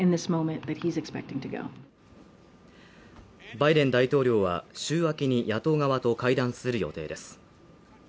バイデン大統領は週明けに野党側と会談する予定です。